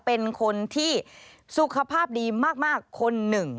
เป็นคนที่สุขภาพดีมากคนหนึ่ง